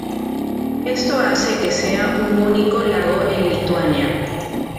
Esto hace que sea un único lago en Lituania.